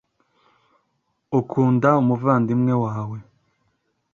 ukunda umuvandimwe wawe